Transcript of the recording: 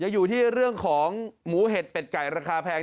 อยู่ที่เรื่องของหมูเห็ดเป็ดไก่ราคาแพง